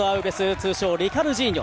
通称リカルジーニョ。